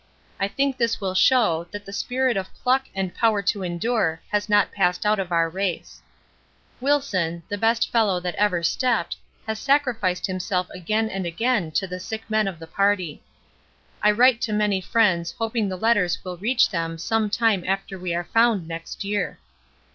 I think this will show that the Spirit of pluck and power to endure has not passed out of our race ... Wilson, the best fellow that ever stepped, has sacrificed himself again and again to the sick men of the party ... I write to many friends hoping the letters will reach them some time after we are found next year.